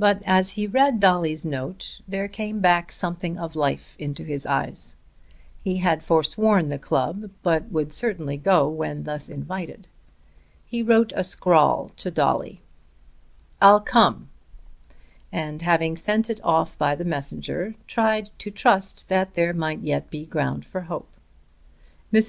But, as he read Dolly's note, there came back something of life into his eyes. He had forsworn the club, but would certainly go when thus invited. He wrote a scrawl to Dolly, "I'll come," and, having sent it off by the messenger, tried to trust that there might yet be ground for hope. Mrs.